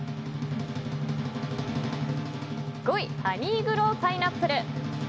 ５位、ハニーグローパイナップル。